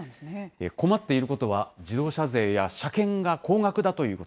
困っていることは、自動車税や車検が高額だということ。